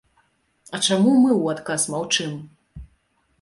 А чаму мы ў адказ маўчым?